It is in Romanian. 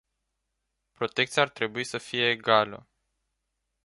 Protecția ar trebui să fie egală.